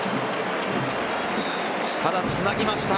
ただ、つなぎました。